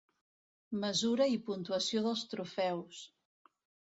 Mesura i puntuació dels trofeus.